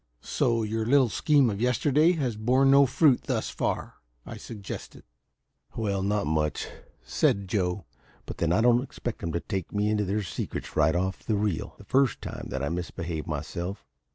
"So your little scheme of yesterday has borne no fruit, thus far?" I suggested. "Well, not much," said Joe. "But then, I don't expect 'em to take me into their secrets right off the reel, the first time that I misbehave myself.